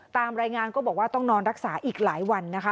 ตามรายงานก็บอกว่าต้องนอนรักษาอีกหลายวันนะคะ